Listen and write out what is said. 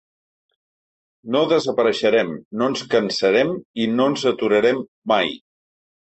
No desapareixerem, no ens cansarem i no ens aturarem mai.